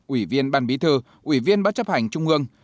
ủy viên ban bí thư ủy viên bác chấp hành trung ương